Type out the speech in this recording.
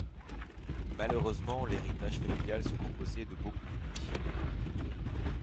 Malheureusement, l’héritage familial se composait de beaucoup d’ennemis.